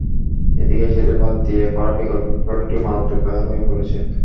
এদিকে সেতুর পাশ দিয়ে করা বিকল্প সড়কটিও মারাত্মক বেহাল হয়ে পড়েছে।